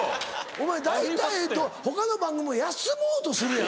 お前大体他の番組も休もうとするやろ？